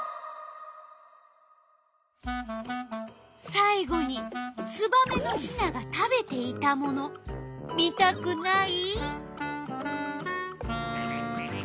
さい後にツバメのヒナが食べていたもの見たくない？